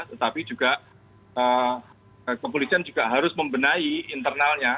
tetapi juga kepolisian juga harus membenahi internalnya